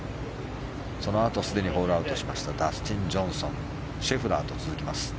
そのあとすでにホールアウトしましたダスティン・ジョンソンシェフラーと続きます。